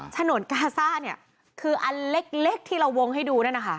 ถนนกาซ่าเนี่ยคืออันเล็กที่เราวงให้ดูนั่นนะคะ